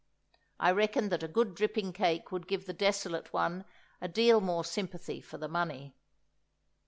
I reckoned that a good dripping cake would give the desolate one a deal more sympathy for the money.